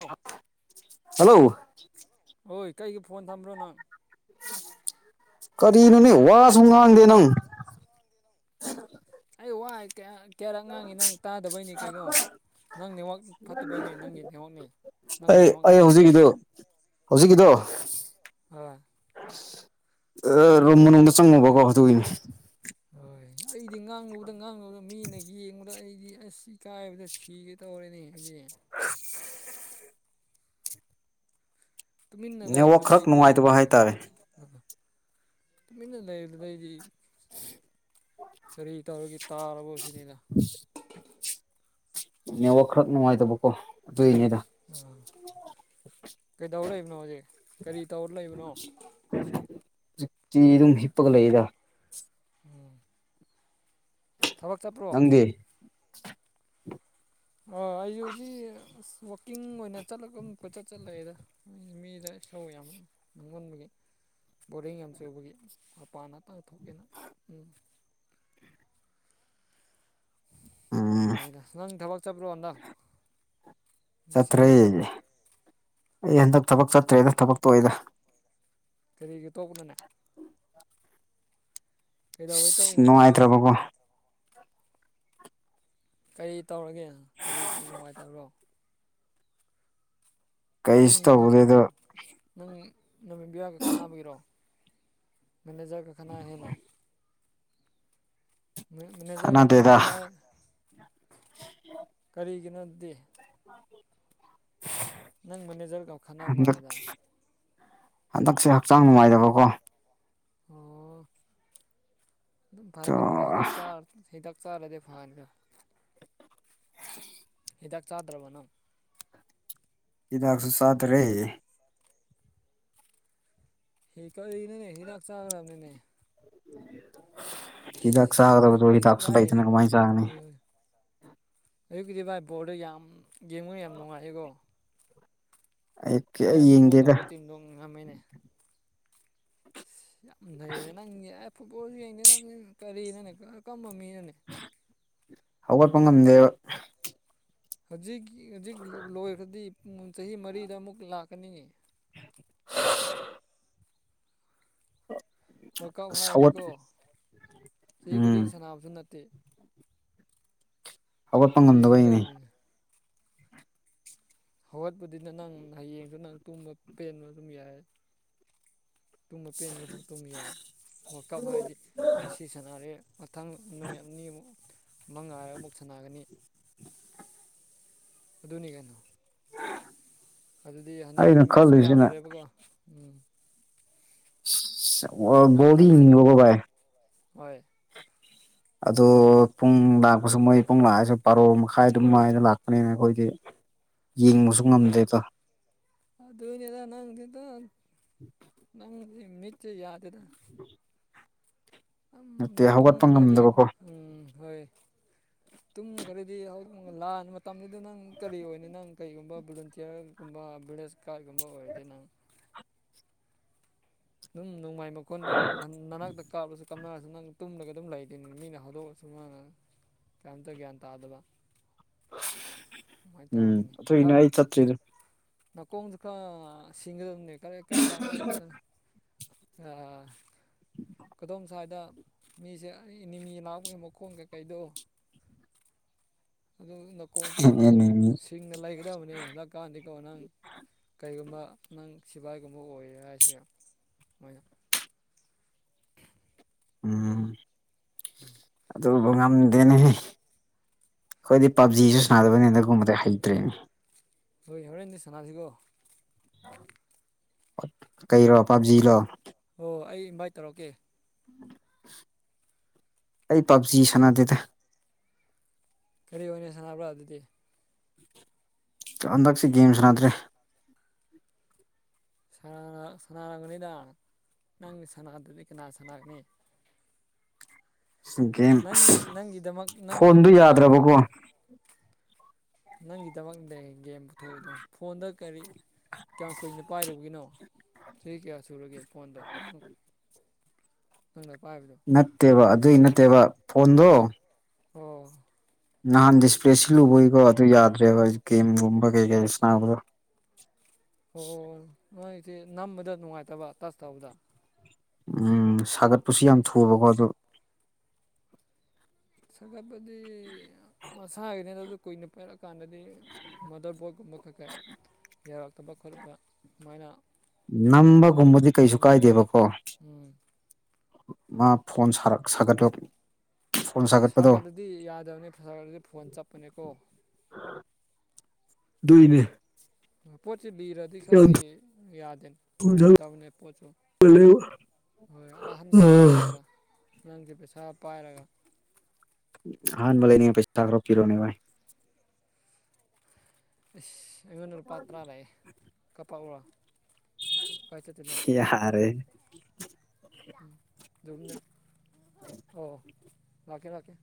ꯑꯧ ꯍꯜꯂꯣ ꯍꯣꯏ ꯀꯩꯒꯤ ꯐꯣꯟ ꯊꯝꯕ꯭ꯔꯣ ꯅꯪ ꯀꯔꯤꯅꯅꯤ ꯋꯥꯁ ꯃꯒꯥꯡꯥꯡꯗꯅ ꯑꯩ ꯋꯥ ꯀ ꯀꯌꯥꯔꯛ ꯉꯥꯡꯉꯤ ꯅꯪ ꯇꯥꯗꯕꯩꯅꯤ ꯀꯩꯅꯣ ꯅꯪ ꯅꯅꯤꯃꯛꯥꯛ ꯐꯠꯇꯕꯩ ꯅꯣꯏ ꯅꯪꯒꯤ ꯅꯃꯛꯥꯛꯅꯤ ꯅꯪꯒꯤ ꯑꯩ ꯑꯩ ꯅꯃꯛꯥꯛꯅꯅꯩ ꯍꯧꯖꯤꯛꯀꯤꯗꯣ ꯍꯧꯖꯤꯛꯀꯤꯗꯣ ꯔꯣ ꯃꯅꯨꯡꯗ ꯆꯪꯉꯣꯕꯀꯣ ꯑꯗꯨꯒꯤꯅꯤ ꯍꯣꯏ ꯑꯩꯗꯤ ꯉꯥꯡꯨꯗ ꯉꯥꯡꯅꯕꯗ ꯃꯤꯅ ꯌꯦꯡꯕꯗ ꯑꯩꯗꯤ ꯑꯁ ꯀꯥꯏꯕꯗ ꯁꯤꯒꯦ ꯇꯧꯔꯦꯅꯦ ꯍꯥꯏꯖꯤꯅꯦ ꯇꯨꯃꯤꯟꯅ ꯅꯦꯠꯋꯥꯛ ꯂꯩꯗꯨꯗ ꯈꯔ ꯑꯩꯗꯤ ꯅꯨꯡꯉꯥꯏꯇꯕ ꯍꯥꯏꯇꯥꯔꯦ ꯑꯅ ꯂꯩꯗꯖꯤ ꯀꯔꯤ ꯇꯧꯔꯒꯦ ꯇꯥꯔꯕꯣ ꯁꯤꯅꯤꯗ [inaudible] ꯅ ꯋꯥꯈꯔ ꯅꯅꯨꯡꯉꯥꯏꯗ ꯄꯀꯣ ꯇꯗ ꯑꯥ ꯀꯩꯗꯧꯔ ꯂꯩꯕꯅꯣ ꯍꯧꯖꯤꯛ ꯀꯔꯤ ꯇꯧꯔ ꯂꯩꯕꯅꯣ ꯆ ꯑꯗꯨꯝ ꯍꯤꯞꯄꯒ ꯂꯩꯗ ꯎꯝ ꯊꯕꯛ ꯆꯠꯄ꯭ꯔꯣ ꯅꯪꯗꯤ ꯑ ꯑꯩ ꯍꯧꯖꯤꯛ ꯑꯁ ꯋꯥꯛꯀꯤꯡ ꯑꯣꯏꯅ ꯆꯠꯂꯒ ꯑꯃꯨꯛ ꯀꯣꯏꯆꯠ ꯆꯠꯂꯦꯗ ꯃꯤꯗ ꯁꯧꯋꯤ ꯌꯥꯝ ꯅꯅꯨꯡꯉꯣꯟꯕꯒꯤ ꯕꯣꯔꯤꯡ ꯌꯥꯝ ꯆꯨꯕꯒꯤ ꯃꯄꯥꯟ ꯉꯥꯛꯇꯥꯡ ꯊꯣꯛꯇꯦꯅ ꯎꯝ ꯎꯝ ꯂꯩꯌꯦꯗ ꯅꯪ ꯊꯕꯛ ꯆꯠꯄ꯭ꯔꯣ ꯅꯪ ꯆꯠꯊ꯭ꯔꯦ ꯑꯩ ꯍꯟꯗꯛ ꯊꯕꯛ ꯆꯠꯇ꯭ꯔꯦꯗ ꯊꯕꯛꯇꯣ ꯑꯣꯏꯗ ꯀꯔꯤꯒꯤ ꯇꯣꯛꯅꯣꯅꯦ ꯀꯩꯗꯧꯕꯩ ꯁ ꯇꯧꯔꯤꯅꯣ ꯅꯨꯡꯉꯥꯏꯇ꯭ꯔꯕꯀꯣ ꯀꯔꯤ ꯇꯧꯔꯒꯦ ꯀꯔꯤ ꯅꯨꯡꯉꯥꯏꯇꯕ꯭ꯔꯣ ꯅꯪ ꯀꯩꯁꯨ ꯅꯃꯤ ꯇꯧꯗꯦ ꯑꯗꯣ ꯅꯪ ꯅꯃꯤꯠꯕꯤꯔꯒ ꯈꯠꯅꯕꯒꯤꯔꯣ ꯃꯦꯅꯦꯖꯔ ꯒ ꯈꯟꯅꯩ ꯍꯥꯏꯅ ꯃꯦꯅꯦꯖꯔꯒ ꯅꯪ ꯀꯥꯟꯅꯗꯦꯗ ꯀꯅꯥꯏ ꯀꯔꯤꯒꯤꯅꯣꯗꯤ ꯅꯪ ꯃꯅꯦꯖꯔ ꯈꯠꯅꯥ ꯍꯟꯗꯛ ꯃꯥꯜꯂꯦꯗ ꯍꯟꯗꯛꯁꯦ ꯍꯛꯆꯥꯡ ꯅꯨꯡꯉꯥꯏꯗꯕꯀꯣ ꯑꯣ ꯑꯗꯨꯝ ꯇꯣ ꯐꯥꯔꯛꯀ ꯅꯤꯗ ꯍꯤꯗꯥꯛ ꯆꯥꯔ ꯍꯤꯗꯥꯛ ꯆꯥꯔꯗꯦ ꯐꯥꯟꯒ [inaudible] ꯍꯤꯗꯥꯛ ꯆꯥꯗ꯭ꯔꯕꯅꯣ ꯍꯤꯗꯥꯛꯁꯨ ꯆꯥꯗꯔꯔꯦ ꯍꯤ ꯀꯩꯅꯣꯅꯦ ꯍꯤꯗꯥꯛ ꯆꯥꯈ꯭ꯔꯕꯅꯤꯅꯦ ꯏꯛ ꯁꯥꯗꯕ ꯑꯌꯨꯛꯇꯤ ꯏ ꯚꯥꯏ ꯍꯥꯥꯛꯁꯨꯥꯏꯇ ꯅ ꯀꯃꯥꯏ ꯆꯒꯅꯤ ꯑꯌꯛꯀꯤꯗꯤ ꯚꯥꯏ ꯕꯣꯔꯜꯗ ꯌꯥꯝ ꯌꯦꯡꯕ ꯌꯥꯝ ꯅꯨꯡꯉꯥꯏꯌꯦꯀꯣ ꯑꯩꯅ ꯑꯩ ꯁꯞꯄꯣꯔꯠ ꯌꯦꯡꯗꯦꯗ ꯇꯧꯕ ꯇꯤꯝꯗꯣ ꯉꯝꯃꯤꯅꯦ ꯑꯁ ꯌꯥꯝ ꯂꯩꯩꯔꯦ ꯅꯪꯗꯤ ꯑꯦ ꯐꯨꯠꯕꯣꯜꯁꯨ ꯌꯦꯡꯗꯦ ꯅꯪ ꯀꯔꯤꯅꯅꯦ ꯀꯔꯝꯕ ꯃꯤꯅꯅꯦ ꯍꯧꯒꯠꯄ ꯉꯝꯗꯦꯕ ꯍꯧꯖꯤꯛ ꯍꯧꯖꯤꯛ ꯂꯣꯏꯈ꯭ꯔꯗꯤ ꯄꯨꯡ ꯆꯍꯤ ꯃꯔꯤꯗ ꯑꯃꯨꯛ ꯂꯥꯛꯀꯅꯤꯏꯤ [unintelligible] ꯋꯥꯔꯀꯥꯞ ꯑꯁ ꯍꯧꯒꯠ ꯍꯥꯏꯔꯗꯤꯀꯣ ꯆꯍꯤ ꯈꯨꯗꯤꯡ ꯎꯝ ꯁꯥꯟꯅꯕꯁꯨ ꯅꯠꯇꯦ ꯍꯧꯒꯠꯄ ꯉꯝꯗꯕꯩꯅꯤ ꯌꯦꯡꯒꯗꯕꯅꯤꯅꯦ ꯍꯧꯒꯠꯄꯗꯤꯅ ꯅꯪ ꯍꯌꯦꯡꯁꯨ ꯅꯪ ꯇꯨꯝꯕ ꯄꯦꯟꯕ ꯑꯗꯨꯝ ꯌꯥꯏ ꯇꯨꯝꯕ ꯄꯦꯟꯗ꯭ꯔꯐꯥꯎ ꯇꯨꯝ ꯌꯥꯏ ꯋꯥ ꯀꯞ ꯍꯥꯏꯗꯤ ꯉꯁꯤ ꯁꯥꯟꯅꯔꯦ ꯃꯊꯪ ꯅꯨꯃꯤꯠ ꯑꯅꯤꯃꯨꯛ ꯃ ꯉꯥꯏꯔꯒ ꯑꯃꯨꯛ ꯁꯥꯟꯅꯒꯅꯤ ꯑꯗꯨꯅꯤ ꯀꯩꯅꯣ ꯑꯗꯨꯗꯤ ꯍꯟꯗꯛꯇꯤ ꯑꯩꯅ ꯃꯦꯠꯁꯨ ꯈꯜꯂꯤꯁꯤꯅ ꯌꯥꯝꯗ꯭ꯔꯦꯕꯀꯣ ꯎꯝ ꯅꯪꯅ ꯕꯣꯜꯗꯤ ꯈꯜꯂꯤꯁꯤꯅ ꯌꯦꯡꯅꯤꯡꯕꯀꯣ ꯚꯥꯏ ꯍꯣꯏ ꯑꯗꯣ ꯄꯨꯡ ꯂꯥꯛꯄꯁꯨ ꯃꯣꯏ ꯄꯨꯡ ꯂꯥꯛꯑꯁꯨ ꯄꯥꯔꯣ ꯃꯈꯥꯏ ꯑꯗꯨꯝꯥꯏꯅ ꯂꯥꯛꯄꯅꯤꯅ ꯑꯩꯈꯣꯏꯗꯤ ꯌꯦꯡꯕꯁꯨ ꯉꯝꯗꯦꯕ ꯑꯗꯨꯅꯤꯗ ꯅꯪꯁꯤꯗꯣ ꯅꯪꯁꯦ ꯃꯤꯠꯁꯦ ꯌꯥꯗꯦꯗ ꯗꯨꯝ ꯅꯠꯇꯦ ꯍꯧꯒꯠꯄ ꯇꯨꯝꯒ꯭ꯔꯗꯤ ꯉꯝꯗꯕꯀꯣ ꯎꯝ ꯍꯣꯏ ꯇꯨꯝ ꯈꯔꯗꯤ ꯍꯧ ꯂꯥꯟ ꯇꯝꯃꯤꯗꯨ ꯅꯪ ꯀꯔꯤ ꯑꯣꯏꯅꯤ ꯅꯪ ꯀꯩꯒꯨꯝꯕ ꯚꯣꯂꯟꯇꯤꯌꯔꯒꯨꯝꯕ ꯚꯤꯂꯦꯖ ꯒꯥꯔꯗꯀꯨꯝꯕ ꯑꯣꯏꯔꯗꯤ ꯅꯪ ꯑꯗꯨꯝ ꯅꯣꯡꯃꯥꯏ ꯃꯈꯣꯟꯗ ꯅꯅꯥꯛꯇ ꯀꯥꯞꯂꯁꯨ ꯀꯥꯞꯅꯔꯁꯨ ꯅꯪ ꯇꯨꯝꯂꯒ ꯑꯗꯨꯝ ꯂꯩꯇꯦꯅꯤꯅ ꯃꯤꯅ ꯍꯧꯗꯣꯛꯑꯁꯨ ꯃꯥꯅ ꯀꯔꯤꯝꯇ ꯒ꯭ꯌꯥꯟ ꯇꯥꯗꯕ ꯍꯣꯏ ꯎꯝ ꯇꯧꯔꯅꯤꯅꯦ ꯈ ꯑꯗꯨꯒꯤꯅꯦ ꯑꯩ ꯆꯠꯇ꯭ꯔꯤꯗꯣ ꯅꯥꯀꯣꯡꯗꯣ ꯈꯔ ꯁꯤꯡꯒꯗꯕꯅꯦ ꯀꯔꯤ ꯀꯔꯝ ꯀꯥꯟꯗ ꯑꯁ ꯀꯗꯣꯝ ꯁ꯭ꯋꯥꯏꯗ ꯃꯤꯁꯦ ꯑꯩ ꯏ ꯒꯤꯅꯥꯎꯄꯒꯤ ꯃꯈꯣꯟ ꯀꯩꯀꯩꯗꯣ ꯑꯗꯨ ꯅꯥꯀꯣꯡꯁꯤ ꯌꯥꯝ ꯎꯝ ꯁꯤꯡꯅ ꯂꯩꯒꯗꯕꯅꯦ ꯍꯟꯗꯛꯀꯥꯟꯗꯤꯀꯣ ꯅꯪ ꯀꯔꯤꯒꯨꯝꯕ ꯅꯪ ꯁꯤꯕꯥꯏꯒꯨꯝꯕ ꯑꯣꯏꯌꯦ ꯍꯥꯏꯁꯦ ꯃꯣꯏꯅ [unintelligible] ꯎꯝ ꯑꯗꯨꯕꯨ ꯉꯝꯗꯦꯅꯦ ꯑꯩꯈꯣꯏꯗꯤ ꯄꯥꯞꯖꯤꯁꯨ ꯁꯥꯟꯗꯕꯅꯤ ꯑꯗꯨꯒꯒꯨꯝꯕꯗꯤ ꯍꯩꯇ꯭ꯔꯦꯅꯤ ꯍꯣꯏ ꯌꯥꯎꯔꯦꯟꯗꯤ ꯁꯥꯟꯅꯥꯁꯤꯒꯣ ꯀꯩꯔꯣ ꯄꯞꯖꯤꯔꯣ ꯍꯣꯏ ꯑꯩ ꯏꯟꯚꯥꯏꯠ ꯇꯧꯔꯛꯀꯦ ꯑꯩ ꯄꯞꯖꯤ ꯁꯥꯟꯅꯗꯦꯗ ꯀꯔꯤ ꯑꯣꯏꯅ ꯁꯥꯟꯅꯕ꯭ꯔꯥ ꯑꯗꯨꯗꯤ ꯍꯟꯗꯛꯁꯤ ꯒꯦꯝ ꯁꯥꯟꯅꯗ꯭ꯔꯦ ꯁꯥꯟꯅꯔꯕꯅꯤꯗ ꯅꯪꯒ ꯁꯥꯟꯅꯥꯗꯗꯤ ꯀꯅꯥ ꯁꯥꯟꯅꯒꯅꯤ ꯒꯦꯝ ꯅꯪ ꯑꯁ ꯅꯪꯒꯤꯗꯃꯛ ꯐꯣꯟꯗꯨ ꯅꯪꯒꯤꯗꯃꯛꯅꯤꯅꯦ ꯌꯥꯗ꯭ꯔꯕꯀꯣ ꯒꯦꯝꯁꯦ ꯅꯪꯒꯤꯗꯃꯛꯅꯦ ꯒꯦꯝ ꯄꯨꯊꯣꯛꯏꯗꯣ ꯐꯣꯟꯗ ꯀꯔꯤ ꯀꯌꯥꯝ ꯀꯨꯏꯅ ꯄꯥꯏꯔꯨꯕꯒꯤꯅꯣ ꯆꯍꯤ ꯀꯌꯥ ꯁꯨꯔꯒꯦ ꯐꯣꯟꯗꯣ ꯑꯃꯛ ꯅꯪꯅ ꯄꯥꯏꯕꯗꯣ ꯅꯠꯇꯦꯕ ꯑꯗꯨꯏ ꯅꯠꯇꯦꯕ ꯐꯣꯟꯗꯣ ꯑꯣ ꯅꯍꯥꯟꯗ ꯏꯁꯄ꯭ꯂꯦ ꯁꯤꯂꯨꯕꯒꯤꯀꯣ ꯑꯗꯨ ꯌꯥꯗ꯭ꯔꯦꯕ ꯒꯦꯝꯒꯨꯝꯕ ꯀꯩ ꯀꯩ ꯁꯕꯗꯣ ꯍꯣꯏ ꯍꯣꯏ ꯍꯣꯏ ꯅꯣꯏꯁꯦ ꯅꯝꯕꯗ ꯅꯨꯡꯉꯥꯏꯇꯕ ꯇꯁ ꯇꯧꯕꯗ ꯎꯝ ꯁꯥꯒꯠꯄꯁꯨ ꯌꯥꯝ ꯊꯨꯕꯀꯣ ꯑꯣ ꯁꯥꯒꯠꯄꯗꯤ ꯃꯁꯥꯒꯤꯅꯤ ꯑꯗꯨ ꯀꯨꯏꯅ ꯄꯥꯏꯔꯛꯑ ꯀꯥꯟꯗꯗꯤ ꯍꯥꯏ ꯃꯥꯗꯔ ꯕꯣꯏꯒꯨꯝꯕ ꯈꯥ ꯈꯥ ꯌꯥꯔꯛꯇꯕ ꯈꯣꯠꯂꯨꯕ ꯁꯨꯃꯥꯏꯅ ꯅꯝꯕꯒꯨꯝꯕꯗꯤ ꯀꯩꯁꯨ ꯀꯥꯏꯗꯦꯕꯀꯣ ꯎꯝ ꯃꯥ ꯐꯣꯟ ꯁꯥꯒꯠ ꯁꯥꯒꯠꯂꯦ ꯁꯥꯀꯠꯂꯗꯤ ꯌꯥꯗꯕꯅꯤ ꯐꯔꯗꯤ ꯐꯣꯟ ꯆꯥꯞꯄꯅꯤꯀꯣ ꯗꯨꯢꯅꯦ ꯄꯣꯠꯁꯤ ꯂꯤꯔꯗꯤ ꯈꯔꯗꯤ ꯌꯥꯗꯦ ꯊꯨꯅ ꯅꯨꯡꯉꯥꯏꯇꯕꯅꯦ ꯄꯣꯠꯁꯨ ꯁꯥꯒꯠꯂꯦꯕ ꯍꯣꯏ ꯑꯍꯥꯟꯕ ꯑꯃꯨꯛ ꯑꯥ ꯂꯩꯕꯗ ꯅꯪꯁꯦ ꯄꯩꯁꯥ ꯄꯥꯏꯔꯒ ꯑꯍꯥꯟꯕ ꯂꯩꯅꯤꯡꯉꯥꯢ ꯄꯩꯁ ꯈꯔ ꯄꯤꯔꯣꯅꯦ ꯚꯥꯏ ꯑꯁ ꯑꯩꯉꯣꯟꯗ ꯂꯨꯄꯥ ꯇꯔꯥ ꯂꯥꯛꯑꯦ ꯀꯥꯞꯄꯛ ꯎꯔꯣ ꯀꯥꯏ ꯆꯠꯇꯨꯢꯅꯣ ꯌꯥꯔꯦ ꯨꯑꯗꯣ ꯑꯣ ꯂꯛꯀꯦ ꯂꯛꯀꯦ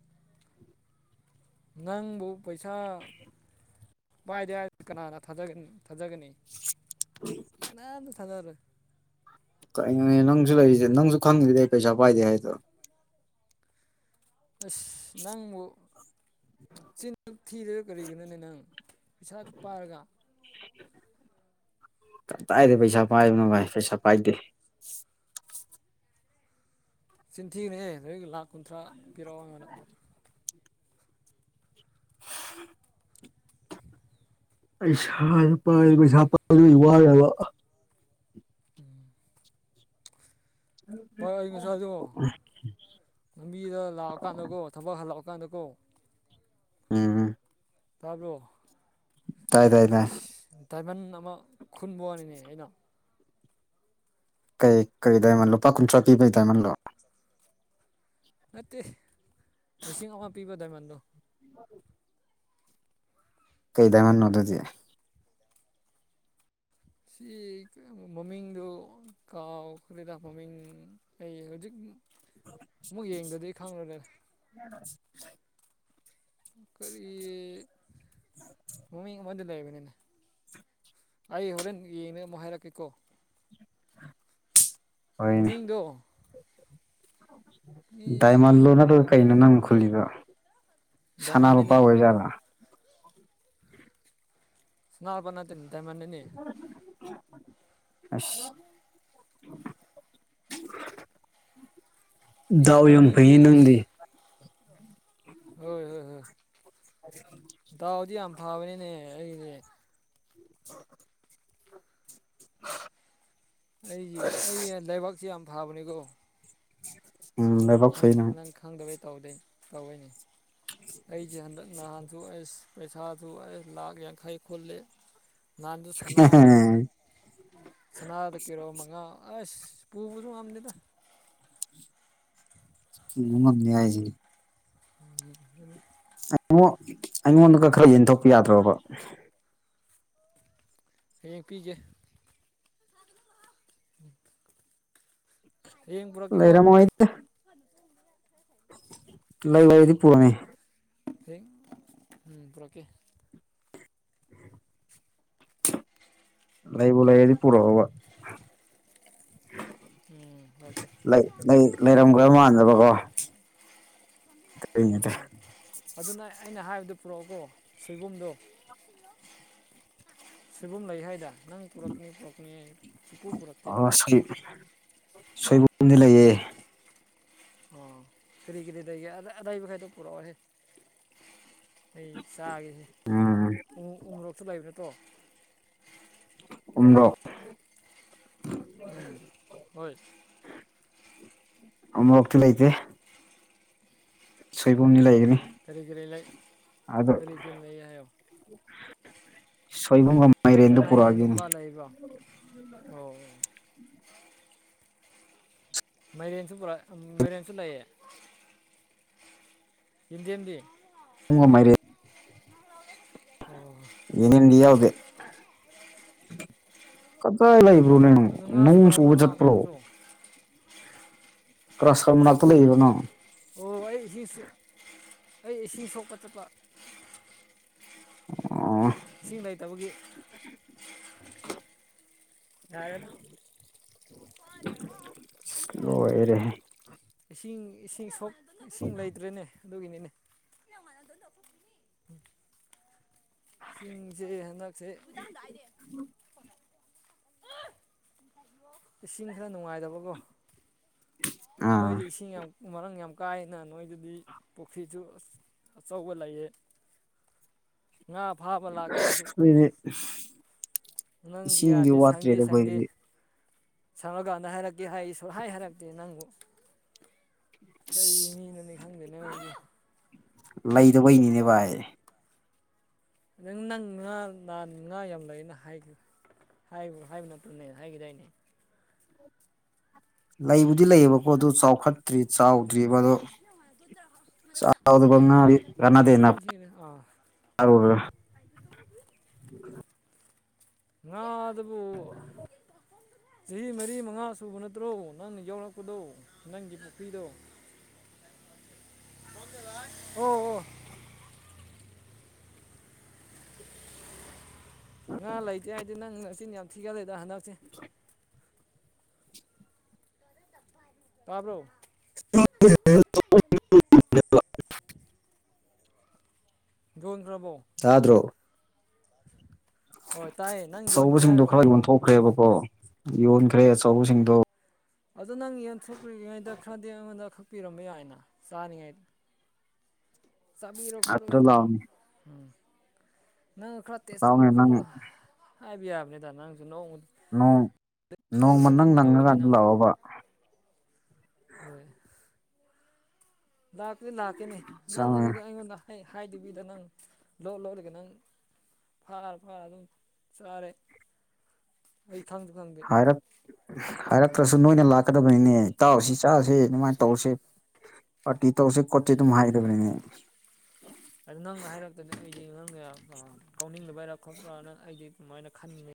ꯅꯪꯕꯨ ꯄꯩꯁꯥ ꯕꯥꯏꯗꯦ ꯀꯅꯥꯅ ꯊꯥꯖꯅꯤ ꯊꯥꯖꯒꯅꯤ ꯀꯅꯥꯝꯇ ꯊꯥꯖꯗꯔꯦ ꯀꯩꯒꯤꯅꯣ ꯅꯪꯁꯨ ꯂꯩꯔꯤꯁꯦ ꯅꯪꯁꯨ ꯈꯪꯗ꯭ꯔꯤꯗꯤ ꯑꯩ ꯄꯩꯁꯥ ꯄꯥꯏꯗꯦ ꯍꯥꯏꯗꯣ ꯑꯁ ꯅꯪꯕꯨ ꯆꯤꯟ ꯊꯤꯔꯒ ꯀꯔꯤꯒꯤꯅꯣꯅꯦ ꯅꯪ ꯄꯩꯁꯥꯗꯨ ꯄꯥꯔꯒ ꯀꯇꯥꯏꯗꯩ ꯄꯩꯁꯥ ꯄꯥꯏꯕꯅꯣ ꯚꯥꯏ ꯄꯩꯁꯥ ꯄꯥꯏꯗꯦ ꯆꯤꯟꯔꯤꯅꯦ ꯅꯣꯏ ꯂꯥꯛ ꯀꯨꯟꯊ꯭ꯔꯥ ꯄꯤꯔꯛꯑꯣ ꯑꯩꯉꯢꯡꯗ [unintelligible] ꯎ [inaudible] ꯄꯩꯁꯥ ꯄꯥꯏ ꯄꯩꯁꯥ ꯄꯥꯢꯕꯗꯨ ꯑꯩ ꯋꯥꯢꯕ ꯎꯝ ꯄꯥꯏ ꯑꯩ ꯉꯁꯥꯏꯗꯣ ꯂꯝꯕꯤꯗ ꯂꯥꯛꯑꯀꯥꯟꯗꯀꯣ ꯊꯕꯛ ꯍꯜꯂꯛꯑꯀꯥꯟꯗꯀꯣ ꯎꯝꯝ ꯇꯥꯕ꯭ꯔꯣ ꯇꯥꯏ ꯇꯥꯏ ꯇꯥꯏ ꯑꯩꯁ ꯗꯥꯏꯃꯟ ꯑꯃ ꯈꯨꯟꯕ ꯋꯥꯅꯦ ꯑꯩꯅ ꯀꯩ ꯀꯔꯤ ꯗꯥꯏꯃꯜ ꯂꯨꯄꯥ ꯀꯨꯟꯊ꯭ꯔꯥ ꯄꯤꯕꯩ ꯗꯥꯏꯃꯜꯂꯣ ꯅꯠꯇꯦ ꯂꯤꯁꯤꯡ ꯑꯃ ꯄꯤꯕ ꯗꯥꯏꯃꯟꯗꯣ ꯀꯩ ꯗꯥꯢꯃꯥꯟ ꯅꯣ ꯑꯗꯨꯗꯤ ꯁꯤ ꯃꯃꯤꯡꯗꯨ ꯀꯥꯎꯈ꯭ꯔꯦꯗ ꯃꯃꯤꯡ ꯑꯩ ꯍꯧꯖꯤꯛ ꯑꯃꯨꯛ ꯌꯦꯡꯗꯗꯤ ꯈꯪꯪꯂꯣꯢꯗ ꯎꯝ [inaudible] ꯀꯔꯤ ꯃꯃꯤꯡ ꯑꯃꯗꯤ ꯂꯩꯕꯅꯤꯅꯦ ꯑꯩ ꯍꯣꯔꯦꯟ ꯌꯦꯡꯉ ꯑꯃꯨꯛ ꯍꯥꯏꯔꯛꯀꯦꯀꯣ ꯍꯣꯏꯅꯦ ꯃꯃꯤꯡꯗꯣ ꯃꯤ ꯗꯥꯏꯃꯟꯂꯣ ꯅꯠꯇ꯭ꯔꯒ ꯀꯩꯅꯣ ꯅꯪꯅ ꯈꯨꯜꯂꯤꯕ ꯗ ꯃꯅꯤꯅꯦ ꯁꯅꯥꯄꯅ ꯇꯅ ꯇꯥꯏꯃꯅꯦꯅꯤ ꯑ [unintelligible] ꯗꯥꯎ ꯌꯥꯝ ꯃꯃꯤꯡꯒꯤ ꯐꯩꯌꯦ ꯅꯪꯗꯤ ꯑꯁꯤ ꯍꯣꯏ ꯍꯣꯏ ꯍꯣꯏ ꯗꯥꯎꯗꯤ ꯌꯥꯝ ꯐꯕꯅꯤꯅꯦ ꯑꯩꯅꯦ [unintelligible] ꯎ ꯑꯩꯁꯦ ꯑꯩ ꯂꯩꯕꯥꯛꯁꯤꯦ ꯌꯥꯝ ꯊꯥꯕꯅꯤꯀꯣ ꯎ ꯅꯪ ꯅꯪ ꯈꯪꯗꯕꯩ ꯇꯧꯗꯩ ꯇꯧꯏꯅꯦ ꯑꯩꯁꯦ ꯍꯟꯗꯛ ꯅꯍꯥꯟꯁꯨ ꯑꯩꯁ ꯄꯩꯁꯥꯁꯨ ꯑꯩꯁ ꯂꯥꯛ ꯌꯥꯡꯈꯩ ꯈꯨꯜꯂꯦ ꯅꯍꯥꯟꯗꯨ ꯁꯥꯟꯅꯥꯗ ꯁꯅꯥꯗ ꯀꯔꯣ ꯃꯉꯥ ꯑꯁ ꯄꯨꯕꯁꯨ ꯌꯥꯝꯝꯅꯤꯗ ꯎ ꯎꯝꯅꯤ ꯍꯥꯏꯁꯤꯦ ꯑꯈꯦ ꯑꯩꯉ ꯑꯩꯉꯣꯟꯗꯒ ꯈꯔ ꯌꯦꯟꯊꯣꯛꯄ ꯌꯥꯗ꯭ꯔꯣꯕ ꯍꯌꯦꯡ ꯄꯤꯒꯦ ꯏꯡ ꯄꯨ꯭ꯔꯥꯀꯤꯒꯣ ꯂꯩꯔꯝꯃꯣꯏ ꯂꯩ ꯂꯩꯗꯤ ꯄꯨꯔꯅꯦ ꯍ ꯎꯝ ꯄꯨꯔꯛꯀꯦ ꯂꯩꯏꯕꯨꯂꯗꯤ ꯄꯨꯔꯕ ꯎꯝ ꯂꯀꯦ ꯂꯩꯔꯝꯒꯗꯕ ꯀꯉꯗ ꯑꯗꯨꯅ ꯑꯩꯅ ꯍꯥꯏꯕꯗ ꯄꯨꯔꯛꯑꯣꯀꯣ ꯁꯣꯏꯕꯨꯝꯗꯣ ꯂꯣ ꯁꯣꯏꯕꯨꯝ ꯂꯩ ꯍꯥꯏꯗ ꯅꯪ ꯄꯨꯔꯛꯀꯅꯤ ꯄꯨꯔꯛꯀꯅꯤ ꯑꯩ ꯆꯨꯛꯄꯨ ꯄꯨꯔꯛꯇꯦ ꯑꯁꯂꯤ ꯁꯣꯏꯕꯨꯝꯗꯤ ꯂꯩꯌꯦ ꯑꯣ ꯐꯔꯤ ꯀꯔꯤ ꯑꯗꯩ ꯑ ꯑꯗꯥꯥꯏꯕꯈꯥꯏꯗ ꯄꯨꯔꯛ ꯑꯩ ꯆꯥꯒꯦꯁꯦ ꯎꯝ ꯎ ꯎꯝꯣꯔꯣꯛꯇ ꯂꯩꯕ ꯅꯠꯇ꯭ꯔꯣ ꯎꯗꯣ ꯎꯝ ꯍꯣꯏ ꯑꯃꯃꯛꯇ ꯂꯩ ꯂꯩꯇꯦ ꯁꯣꯏꯕꯨꯝꯅꯤ ꯂꯩꯒꯅꯤ ꯀꯔꯒ ꯍꯥꯎ ꯁꯣꯏꯕꯉ ꯀꯅꯥ ꯌꯦꯡꯒꯨꯝꯕ ꯂꯩꯕ꯭ꯔꯣ ꯑꯣ ꯃꯩꯔꯦꯟꯁꯨ ꯄꯨꯣꯔꯥ ꯃꯩꯔꯦꯟꯁꯨ ꯂꯩꯌꯦ ꯍꯤꯟꯗꯤ ꯍꯤꯟꯗꯤ ꯄꯨꯡꯉꯥꯏꯦ ꯑꯣ ꯏꯅꯤꯗꯤꯌꯥ ꯑꯣꯀꯦ ꯀꯗꯥꯏ ꯂꯩꯕ꯭ꯔꯣ ꯅꯅꯣ ꯑꯗꯨ ꯉꯥꯁꯨ ꯅꯣꯡ ꯄꯨꯔꯛꯄ꯭ꯔꯣ ꯁꯨꯕ ꯉꯥ ꯆꯠꯄ꯭ꯔꯣ ꯑꯀꯪꯕꯁꯨ ꯀ꯭ꯂ꯭ꯔꯁꯔꯝꯇ ꯂꯩꯅꯣ ꯑꯣ ꯑꯩ ꯏꯁꯤꯡꯁꯨ ꯑꯩ ꯏꯁꯤꯡ ꯁꯣꯛꯄ ꯆꯠꯄ ꯑ ꯏꯁꯤꯡ ꯂꯩꯇꯕꯒꯤ ꯌꯥꯔꯦꯗ ꯂꯣꯏꯔꯦꯍꯦ ꯏꯁꯤꯡ ꯏꯁꯤꯡ ꯁꯣꯛ ꯏꯁꯤꯡ ꯂꯩꯇ꯭ꯔꯦꯅꯦ ꯑꯗꯨꯒꯤꯅꯤꯅꯦ ꯁꯤꯡꯁꯦ ꯍꯟꯗꯛꯁꯦ [unintelligible] ꯏꯁꯤꯡ ꯈꯔ ꯅꯨꯡꯉꯥꯏꯗꯕꯀꯣ ꯑꯥ ꯅꯣꯏꯗꯤ ꯏꯁꯤꯡ ꯌꯥꯝ ꯃꯔꯥꯡ ꯌꯥꯝ ꯀꯥꯏꯅ ꯅꯣꯏꯗꯗꯤ ꯄꯨꯈ꯭ꯔꯤꯁꯨ ꯑꯆꯧꯕ ꯂꯩꯌꯦ ꯉꯥ ꯐꯥꯕ ꯂꯥꯛꯀꯦꯁꯨ ꯑꯗꯨꯗꯤ ꯅꯪꯖꯨ ꯏꯁꯤꯡꯗꯤ ꯌꯥꯗꯦ ꯁꯪꯗꯦ ꯋꯥꯠꯇ꯭ꯔꯦꯗ ꯁꯪꯗꯦ ꯑꯩꯈꯣꯏꯗꯤ ꯁꯪꯉꯀꯥꯟꯗ ꯍꯥꯏꯔꯛꯀꯦ ꯍꯥꯏ ꯁꯨꯡꯉꯥꯏ ꯍꯥꯏꯔꯛꯇꯦ ꯅꯪꯕꯨ ꯀꯔꯤ ꯃꯤꯅꯣꯅꯤ ꯈꯪꯗꯦ ꯑꯩꯁꯨ ꯂꯩꯗꯕꯩꯅꯤꯅꯦ ꯚꯥꯏ ꯅꯪ ꯅꯪ ꯉꯥꯥꯟ ꯉꯥ ꯌꯥꯝ ꯂꯩꯌꯦꯅ ꯍꯥꯏꯈꯤꯗꯨꯗꯤ ꯍꯥꯏꯕ ꯍꯥꯏꯕ ꯅꯠꯇꯅꯦ ꯍꯥꯏꯈꯤꯗꯥꯏꯅꯦ ꯂꯩꯕꯨꯗꯤ ꯂꯩꯌꯦꯕꯀꯣ ꯑꯗꯨ ꯆꯥꯎꯈꯠꯇ꯭ꯔꯤ ꯆꯥꯎꯗ꯭ꯔꯤꯕꯔꯤꯕꯗꯣ ꯉꯥꯗꯤ ꯀꯥꯟꯅꯗꯦꯅ [unintelligible] [unintelligible] [unintelligible] ꯉꯥ ꯗꯨꯕꯨ ꯆꯍꯤ ꯃꯔꯤ ꯃꯉꯥ ꯁꯨꯕ ꯅꯠꯇ꯭ꯔꯣ ꯅꯪꯅ ꯌꯥꯎꯔꯛꯄꯗꯣ ꯅꯪꯒꯤ ꯄꯨꯈ꯭ꯔꯤꯗꯣ ꯍꯣ ꯍꯣ ꯉꯥ ꯂꯩꯇꯦ ꯍꯥꯏꯗꯤ ꯅꯪ ꯅꯆꯤꯟ ꯌꯥꯝ ꯊꯤꯒꯠꯂꯦꯗ ꯍꯟꯗꯛꯁꯦ [inaudible] ꯇꯥꯕ꯭ꯔꯣ [inaudible] ꯌꯣꯟꯈ꯭ꯔꯕꯣ ꯇꯥꯗꯔꯣ ꯍꯣꯏ ꯇꯥꯏꯌꯦ ꯅꯪ ꯌꯣꯟꯈ꯭ꯔꯦ ꯍꯥꯏꯔꯣ ꯌꯣꯟꯈ꯭ꯔꯦꯕꯀꯣ ꯌꯣꯟꯈ꯭ꯔꯦ ꯑꯆꯧꯕꯁꯤꯡꯗꯣ ꯑꯗꯨꯗꯣ ꯅꯪ ꯌꯦꯟꯊꯣꯛꯇ꯭ꯔꯤꯉꯩꯗ ꯈꯔꯗꯤ ꯑꯩꯉꯣꯟꯗ ꯈꯛꯄꯤꯔꯝꯕ ꯌꯥꯏꯅ ꯆꯥꯔꯤꯉꯩꯗ ꯆꯥꯕꯤꯔꯣ ꯈꯣꯠꯂꯣ ꯑꯗꯨ ꯏꯇꯥꯎ ꯂꯥꯛꯑꯣꯅꯦ ꯎꯝ ꯅꯪ ꯈꯔ ꯇꯦꯁ ꯇꯧꯔꯣ ꯂꯥꯛꯑꯣꯅꯦ ꯅꯪ ꯈꯣꯠꯂꯣ ꯍꯥꯏꯕ ꯌꯥꯕꯅꯤꯗ ꯅꯪꯁꯨ ꯅꯧ ꯅꯣꯡ ꯅꯣꯡꯃ ꯅꯪ ꯇꯧꯋꯤꯅꯦ ꯅꯪꯉꯀꯥꯟꯗ ꯅꯪꯁꯦ ꯂꯥꯛꯑꯣꯕ ꯍꯣꯏ ꯂꯥꯛꯇꯤ ꯂꯥꯛꯀꯦꯅꯦ ꯅꯪ ꯆꯪꯉꯦ ꯑꯗꯨꯗꯤ ꯑꯩꯉꯣꯟꯗ ꯍꯩ ꯍꯥꯏꯗꯕꯤꯗ ꯅꯪ ꯂꯣꯛ ꯂꯧꯔꯒ ꯅꯪ ꯐꯥꯔ ꯐꯥꯔ ꯑꯗꯨꯝ ꯆꯥꯔꯦ ꯑꯩ ꯈꯪꯁꯨ ꯈꯪꯗꯦ ꯍꯥꯏꯔꯞ ꯍꯥꯏꯔꯛꯇ꯭ꯔꯁꯨ ꯅꯣꯏꯅ ꯂꯥꯛꯀꯗꯕꯅꯤꯅꯦ ꯏꯇꯥꯎ ꯁꯤ ꯆꯥꯁꯤ ꯑꯗꯨꯃꯥꯏꯅ ꯇꯧꯁꯤ ꯄꯥꯔꯇꯤ ꯇꯧꯁꯦ ꯈꯣꯠꯁꯦ ꯑꯗꯨꯝ ꯍꯥꯏꯒꯗꯕꯅꯤꯅꯦ ꯑꯗꯨ ꯅꯪꯅ ꯍꯥꯏꯔꯛꯇꯗꯤ ꯑꯩꯗꯤ ꯅꯪꯅ ꯀꯥꯎꯅꯤꯡꯗꯕꯔꯥ ꯈꯣꯠꯄ꯭ꯔꯥꯅ ꯑꯩꯗꯤ ꯑꯗꯨꯃꯥꯏꯅ ꯈꯟꯕꯅꯦ